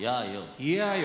「嫌よ」？